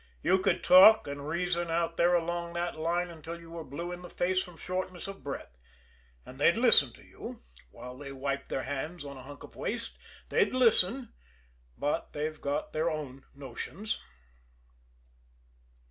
You could talk and reason out there along that line until you were blue in the face from shortness of breath, and they'd listen to you while they wiped their hands on a hunk of waste they'd listen, but they've got their own notions.